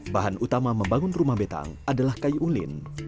bahan utama membangun rumah betang adalah kayu ulin